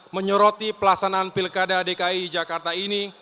menyoroti pelaksanaan pilkada dki jakarta ini